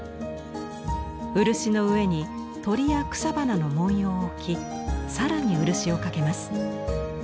漆の上に鳥や草花の文様を置き更に漆をかけます。